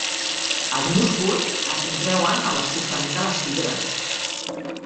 Els músculs es contreuen per l'escurçament de les fibres.